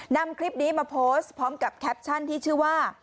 นำคลิปนี้มาโพสต์พร้อมกับแคปชั่นที่ชื่อว่า